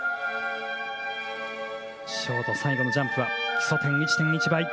ショート最後のジャンプは基礎点１．１倍。